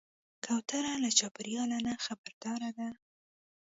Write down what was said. کوتره له چاپېریاله نه خبرداره ده.